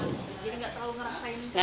jadi nggak terlalu ngerasain karungan